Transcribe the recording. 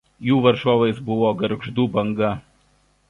Jų varžovais buvo Gargždų „Banga“.